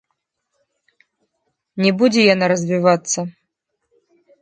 Не будзе яна развівацца.